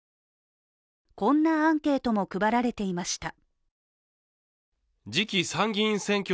こんなアンケートも配られていました。